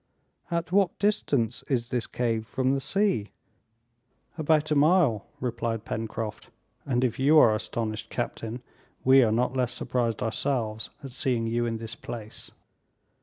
"At what distance is this cave from the sea?" "About a mile," replied Pencroft; "and if you are astonished, captain, we are not less surprised ourselves at seeing you in this place!"